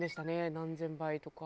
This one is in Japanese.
何千倍とか。